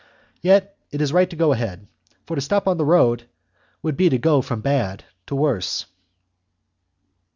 Yet it is right to go ahead, for to stop on the road would be to go from bad to worse.